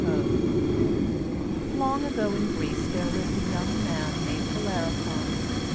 COE Long ago in Greece there lived a young man named Bellerophon.